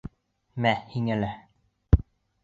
Мә һиңә лә!